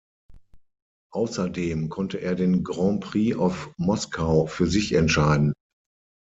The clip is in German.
Außerdem konnte er den Grand Prix of Moscow für sich entscheiden.